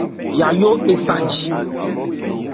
Yayó esá jì.